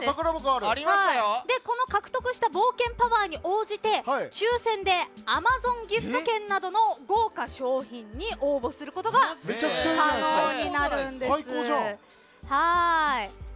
この獲得した冒険パワーに応じて抽選でＡｍａｚｏｎギフト券などの豪華賞品に応募することが可能になるんです。